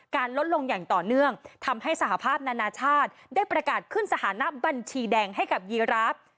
ลดลงอย่างต่อเนื่องทำให้สหภาพนานาชาติได้ประกาศขึ้นสถานะบัญชีแดงให้กับยีราฟ